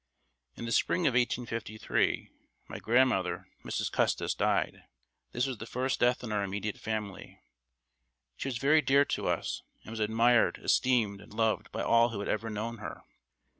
In the spring of 1853 my grandmother, Mrs. Custis, died. This was the first death in our immediate family. She was very dear to us, and was admired, esteemed, and loved by all who had ever known her.